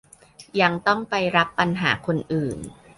ยังต้องไปรับปัญหาคนอื่น